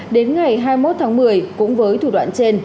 đến ngày hai mươi một tháng một mươi cũng với thủ đoạn trên